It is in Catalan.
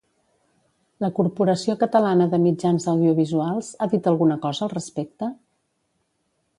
La Corporació Catalana de Mitjans Audiovisuals ha dit alguna cosa al respecte?